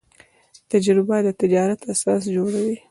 تجربه د تجارت اساس جوړوي.